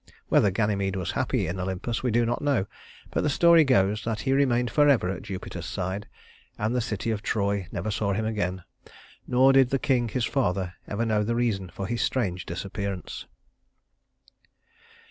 Whether Ganymede was happy in Olympus we do not know; but the story goes that he remained forever at Jupiter's side, and the city of Troy never saw him again, nor did the king his father ever know the reason for his strange disappearance.